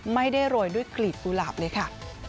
ไม่ได้โรยด้วยกลีบกุหลาบเลยค่ะ